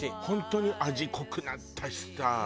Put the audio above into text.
本当に味濃くなったしさ。